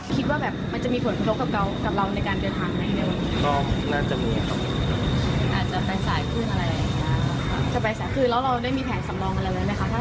ที่เราคิดว่าก็มีปัญหาอะไรอย่างนี้